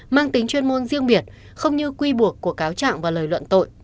mang tính chuyên môn riêng biệt không như quy buộc của cáo trạng và lời luận tội